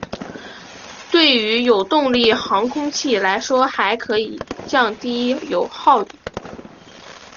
对于有动力航空器来说还可降低油耗。